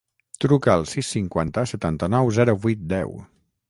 Truca al sis, cinquanta, setanta-nou, zero, vuit, deu.